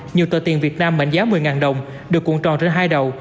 nhiều tờ tiền việt nam mạnh giá một mươi đồng được cuộn tròn trên hai đầu